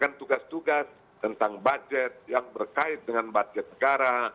dan juga melaksanakan tugas tugas tentang budget yang berkait dengan budget negara